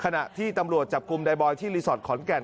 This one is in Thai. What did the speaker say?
ขณะที่ตำรวจจับกลุ่มนายบอยที่รีสอร์ทขอนแก่น